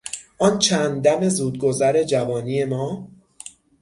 آن چند دم زودگذر جوانی ما